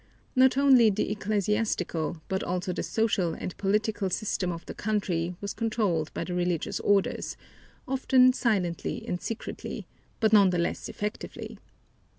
Not only the ecclesiastical but also the social and political system of the country was controlled by the religious orders, often silently and secretly, but none the less effectively.